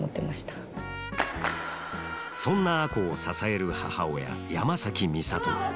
そんな亜子を支える母親山崎美里。